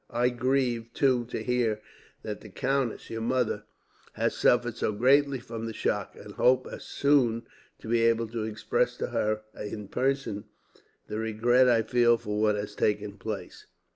I grieve, too, to hear that the countess, your mother, has suffered so greatly from the shock; and hope soon to be able to express to her, in person, the regret I feel for what has taken place.'